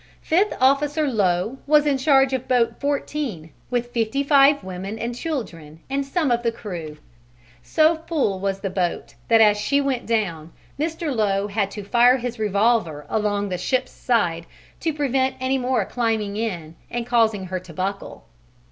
Fifth Officer Lowe was in charge of boat 14, with fifty five women and children, and some of the crew. So full was the boat that as she went down Mr. Lowe had to fire his revolver along the ship's side to prevent any more climbing in and causing her to buckle.